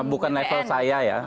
bukan level saya ya